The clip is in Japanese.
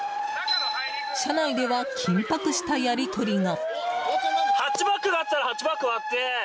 車内では緊迫したやり取りが。